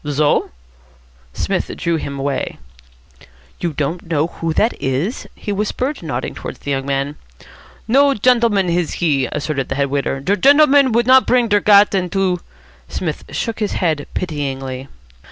"Zo?" Psmith drew him away. "You don't know who that is?" he whispered, nodding towards the young man. "No gendleman he is," asserted the head waiter. "Der gendleman would not der gat into " Psmith shook his head pityingly.